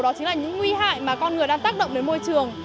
đó chính là những nguy hại mà con người đang tác động đến môi trường